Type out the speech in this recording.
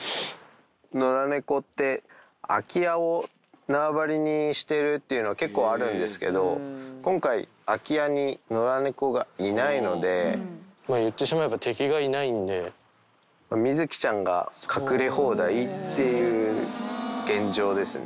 野良猫って、空き家を縄張りにしてるっていうのは、結構あるんですけど、今回、空き家に野良猫がいないので、言ってしまえば敵がいないので、みづきちゃんが隠れ放題っていう現状ですね。